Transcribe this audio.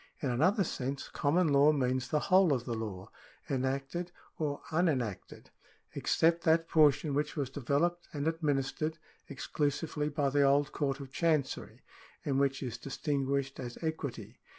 — In another sense common law means the whole of the law (enacted or unenacted) except that portion which was developed and administered ex clusively by the old Court of Chancery, and which is distin guished as equity.